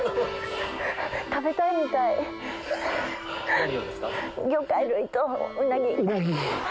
何をですか？